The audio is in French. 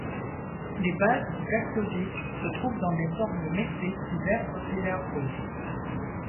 Les bases du taktovik se trouvent dans des formes métriques du vers populaire russe.